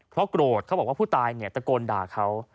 เพราะโกรธเขาบอกว่าผู้ตายเนี่ยตะโกนด่าเขา